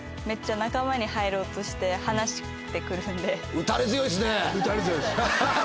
打たれ強いです。